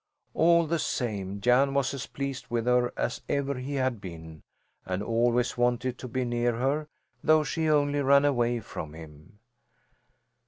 All the same Jan was as pleased with her as ever he had been, and always wanted to be near her, though she only ran away from him.